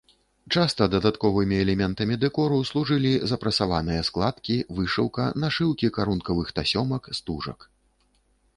Часта дадатковымі элементамі дэкору служылі запрасаваныя складкі, вышыўка, нашыўкі карункавых тасёмак, стужак.